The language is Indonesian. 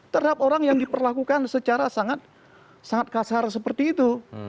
terhadap orang yang diperlakukan secara sangat kasar seperti itu